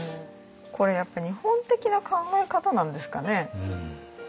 これやっぱ日本的な考え方なんですかね。